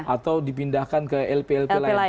atau dipindahkan ke lp lp lain